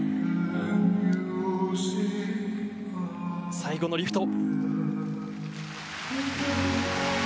最後のリフト。